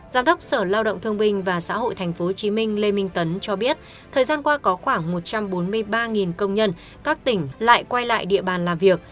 giám đốc sở lao động thương binh và xã hội tp hcm lê minh tấn cho biết thời gian qua có khoảng một trăm bốn mươi ba công nhân các tỉnh lại quay lại địa bàn làm việc